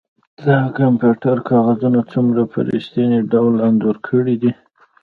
تا د کمپیوټر کاغذونه څومره په ریښتیني ډول انځور کړي دي